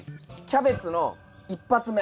キャベツの一発目。